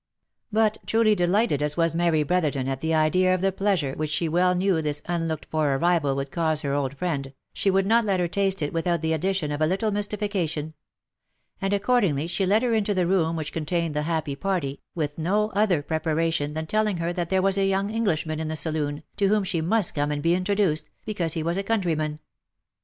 But truly delighted as was Mary Brotherton at the idea of the plea sure which she well knew this unlooked for arrival would cause her old friend, she would not let her taste it without the addition of a little mystification ; and accordingly she led her iuto the room which con tained the happy party, with no other preparation than telling her that there was a young Englishman in the saloon, to whom she must come and be introduced, because he was a countryman.